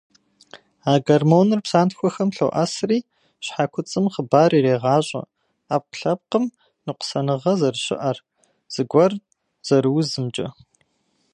А гормоныр псантхуэхэм лъоӏэсри, щхьэкуцӏым хъыбар ирегъащӏэ ӏэпкълъэпкъым ныкъусаныгъэ зэрыщыӏэр, зыгуэр зэрыузымкӏэ.